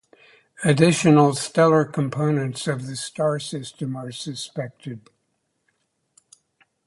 Additional stellar components of the star system are suspected.